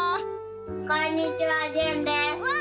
こんにちはじゅんです！わ！